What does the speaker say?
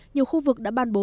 nhiều khu vực đã ban bố